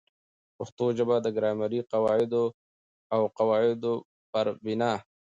پښتو ژبه د ګرامري قاعدو او قوا عدو پر بناء